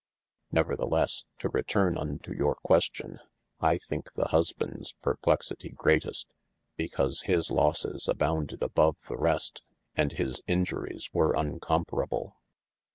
Neverthelesse to returne unto your question. I thinke the husbands perplexity greatest, because his losses abounded above the rest, & his injuries were uncoparable.